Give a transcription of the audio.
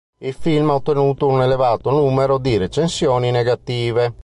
Il film ha ottenuto un elevato numero di recensioni negative.